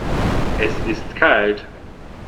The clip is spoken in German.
Es ist kalt.